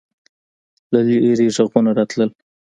له لیرې غږونه راتلل.